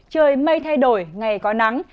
trời mây thay đổi ngày có nắng